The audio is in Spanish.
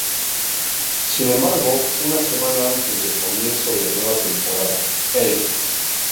Sin embargo, una semana antes del comienzo de la nueva temporada, E!